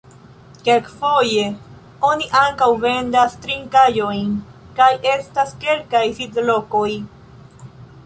Kelkfoje oni ankaŭ vendas trinkaĵojn kaj estas kelkaj sidlokoj.